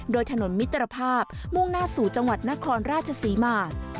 โดยถนนมิตรภาพมุ่งหน้าสู่จังหวัดนครราชศรีมา